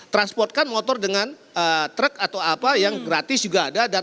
transportkan motor dengan truk atau apa yang gratis juga ada